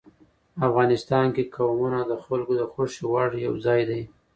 افغانستان کې قومونه د خلکو د خوښې وړ یو ځای دی.